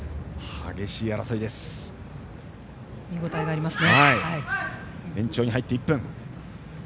見応えがありますね。